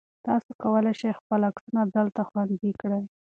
تاسو کولای شئ چې خپل عکسونه دلته خوندي کړئ.